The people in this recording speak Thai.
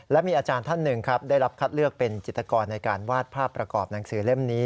และมีอาจารย์ท่านหนึ่งครับได้รับคัดเลือกเป็นจิตกรในการวาดภาพประกอบหนังสือเล่มนี้